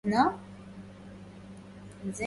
هل غير بابك للغريب مؤمل